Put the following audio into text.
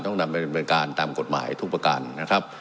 ต้องนำไปดำเนินการตามกฎหมายทุกประการนะครับ